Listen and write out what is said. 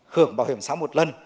hưởng bảo hiểm xã hội một lần